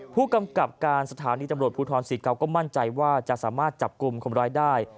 ผู้กำกับการสถานีตำรวจภูทรศรีเกาก็มั่นใจว่าจะสามารถจับกลุ่มคนร้ายได้